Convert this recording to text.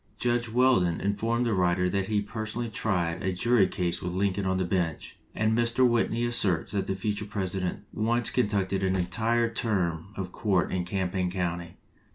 Judge Weldon informed the writer that he personally tried a jury case with Lincoln on the bench, and Mr. Whitney asserts that the future President once conducted an entire term of court in Champaign County.